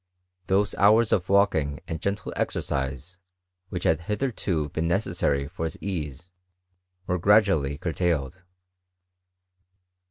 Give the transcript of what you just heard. Th()se hours of walking and g^ tle exercise, which had hitherto been necessary for his ease, were gradually curtailed.